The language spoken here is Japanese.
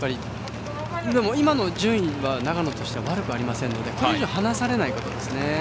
今の順位は長野としては悪くありませんのでこれ以上、離されないことですね。